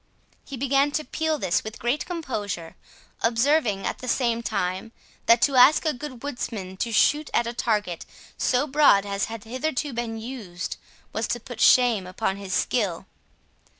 He began to peel this with great composure, observing at the same time, that to ask a good woodsman to shoot at a target so broad as had hitherto been used, was to put shame upon his skill.